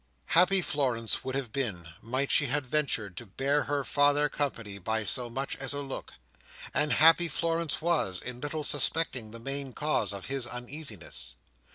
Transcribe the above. Happy Florence would have been, might she have ventured to bear her father company, by so much as a look; and happy Florence was, in little suspecting the main cause of his uneasiness.